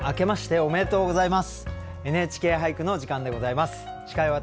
おめでとうございます。